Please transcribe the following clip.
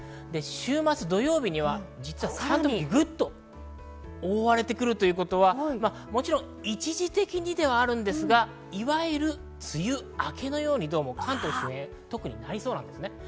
週末土曜日にはさらにグッと覆われてくるということは一時的にではあるんですが、いわゆる梅雨明けのように関東周辺、特になりそうです。